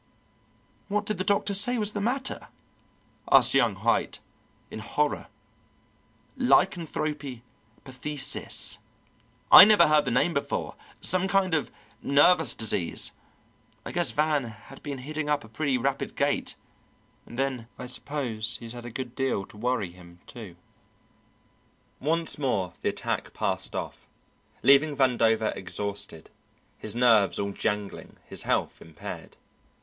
"What did the doctor say was the matter?" asked young Haight, in horror. "Lycanthropy Pathesis. I never heard the name before some kind of nervous disease. I guess Van had been hitting up a pretty rapid gait, and then I suppose he's had a good deal to worry him, too." Once more the attack passed off, leaving Vandover exhausted, his nerves all jangling, his health impaired.